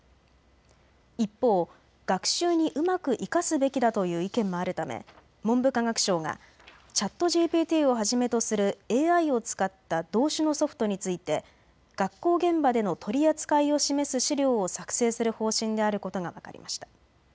一方、学習にうまく生かすべきだという意見もあるため文部科学省がチャットＧＰＴをはじめとするＡＩを使った同種のソフトについて学校現場での取り扱いを示す資料を作成する方針であることが分かりました。